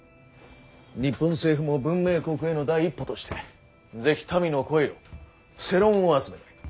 日本政府も文明国への第一歩として是非民の声を世論を集めたい。